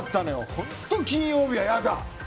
本当金曜日は嫌だ！